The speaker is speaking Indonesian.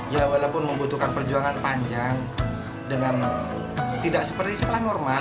ya walaupun membutuhkan perjuangan panjang dengan tidak seperti sekolah normal